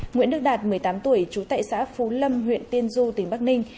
nguyễn đức đạt một mươi tám tuổi chú tệ xã phú lâm huyện tiên du tỉnh bắc ninh